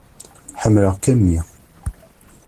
Ḥemmleɣ-k am mmi.